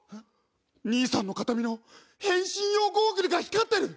兄さんの形見の変身用ゴーグルが光ってる！